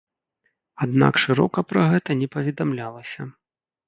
Аднак шырока пра гэта не паведамлялася.